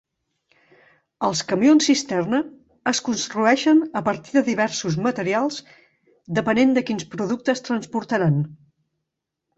Els camions cisterna es construeixen a partir de diversos materials depenent de quins productes transportaran.